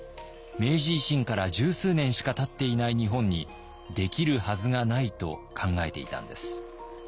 明治維新から十数年しかたっていない日本にできるはずがないと考えていたんです。